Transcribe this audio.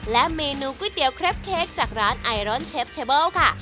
และเมนูก๋วยเตี๋ยวเครปเค้กจากร้านไอรอนเชฟเทเบิลค่ะ